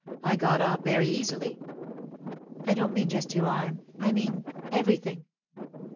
I got off very easily.' 'I don't mean just your arm—I mean—everything.